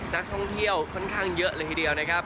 นักท่องเที่ยวค่อนข้างเยอะเลยทีเดียวนะครับ